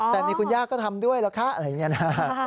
แต่มีคุณย่าก็ทำด้วยล่ะคะอะไรอย่างนี้นะ